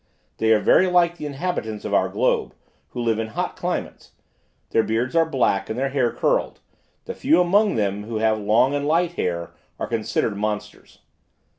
They are very like the inhabitants of our globe, who live in hot climates; their beards are black and their hair curled; the few among them who have long and light hair, are considered monsters.